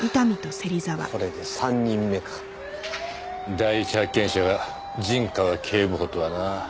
第一発見者が陣川警部補とはな。